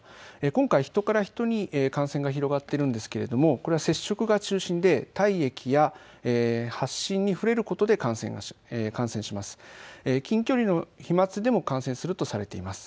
今回、人から人に感染が広がっているんですけどもこれは接触が中心で体液や発疹に触れることで感染します。